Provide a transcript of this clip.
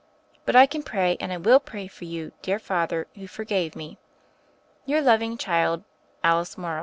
But I can pray and I will pray for you, dear Father, who for gave me. "Your loving child, "Alice Morrow."